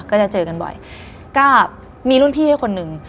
ก็จะเจอกันบ่อยก็มีรุ่นพี่ด้วยคนหนึ่ง